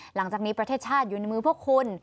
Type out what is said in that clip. หลังจากนี้ประเทศชาติอยู่ในมือพวกคุณ